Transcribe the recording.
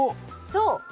そう。